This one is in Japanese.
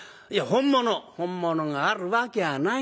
「本物があるわきゃないの。